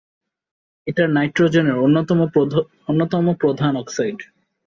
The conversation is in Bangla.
এটি নাইট্রোজেনের অন্যতম প্রধান অক্সাইড।